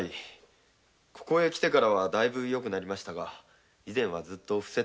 ここへ来てからはだいぶ良くなりましたが以前はずっと病床に。